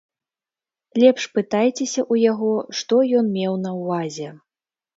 Лепш пытайцеся ў яго, што ён меў на ўвазе.